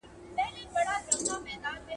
هېر به له زمانه یم چي تللی که راغلی یم